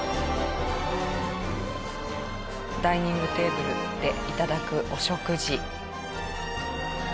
ダイニングテーブルでいただくお食事。